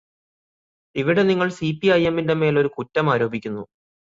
ഇവിടെ നിങ്ങൾ സിപിഐഎംന്റെ മേൽ ഒരു കുറ്റം ആരോപിക്കുന്നു.